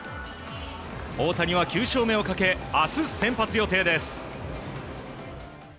大谷は９勝目をかけ明日先発予定です。